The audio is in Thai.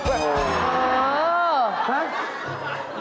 เอาเลย